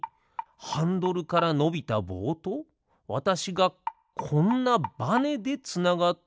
ハンドルからのびたぼうとわたしがこんなバネでつながっているだけ？